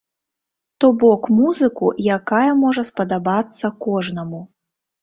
То бок, музыку, якая можа спадабацца кожнаму.